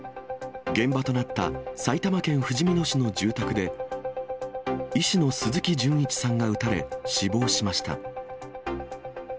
現場となった埼玉県ふじみ野市の住宅で、医師の鈴木純一さんが撃たれ、死亡しました。